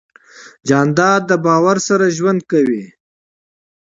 جانداد د باور سره ژوند کوي.